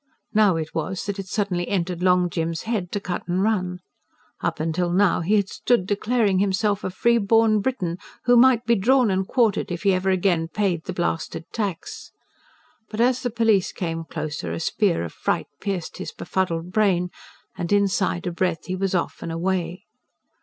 Now it was that it suddenly entered Long Jim's head to cut and run. Up till now he had stood declaring himself a free born Briton, who might be drawn and quartered if he ever again paid the blasted tax. But, as the police came closer, a spear of fright pierced his befuddled brain, and inside a breath he was off and away.